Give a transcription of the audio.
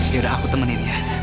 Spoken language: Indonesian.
yaudah aku temenin ya